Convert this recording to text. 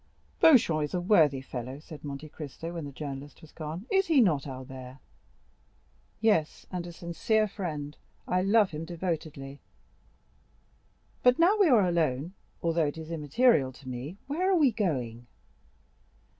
"Beauchamp is a worthy fellow," said Monte Cristo, when the journalist was gone; "is he not, Albert?" "Yes, and a sincere friend; I love him devotedly. But now we are alone,—although it is immaterial to me,—where are we going?"